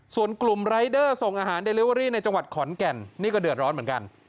ส่วนกลุ่มรายเดอร์ส่งอาหารเดลิเวอรี่ในจังหวัดขอนแก่นนี่ก็เดือดร้อนเหมือนกัน